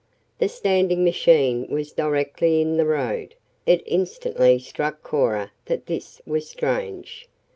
The standing machine was directly in the road; it instantly struck Cora that this was strange.